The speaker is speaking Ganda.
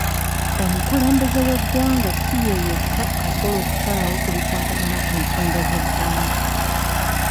Omukulembeze w'eggwanga si yeyekka akola okusalawo ku bikwatagana ku nsonga z'eggwanga.